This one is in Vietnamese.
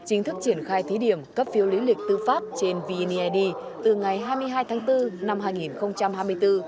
chính thức triển khai thí điểm cấp phiếu lý lịch tư pháp trên vned từ ngày hai mươi hai tháng bốn năm hai nghìn hai mươi bốn